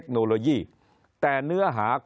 คนในวงการสื่อ๓๐องค์กร